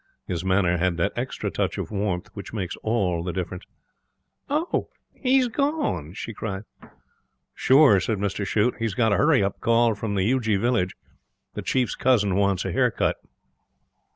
His manner had that extra touch of warmth which makes all the difference. 'Oh! He's gone!' she cried. 'Sure,' said Mr Shute. 'He's got a hurry call from the Uji Village. The chief's cousin wants a hair cut.'